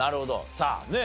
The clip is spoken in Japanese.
さあねえ